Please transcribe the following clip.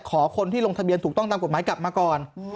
คนที่ลงทะเบียนถูกต้องตามกฎหมายกลับมาก่อน